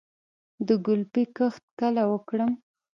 د ګلپي کښت کله وکړم؟